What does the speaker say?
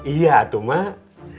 iya atu mak